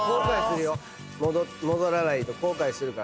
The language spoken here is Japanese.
戻らないと後悔するからね。